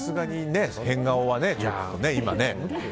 変顔は、ちょっと今ね。